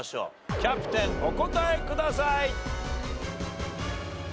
キャプテンお答えください。